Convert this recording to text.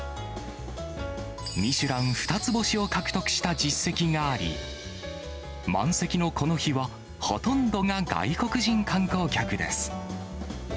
ミシュラン２つ星を獲得した実績があり、満席のこの日は、ほとんどが外国人観光客です。